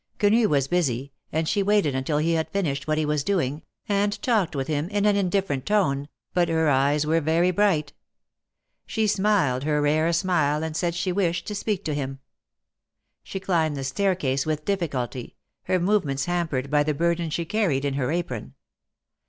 Quenu was busy, and she waited until he had finished what he was doing, and talked with him in an indifferent tone, but her eyes were very bright. She smiled her rare smile and said she wished to speak to him. She climbed the staircase with difficulty, her movements hampered by the burthen she carried in her apron.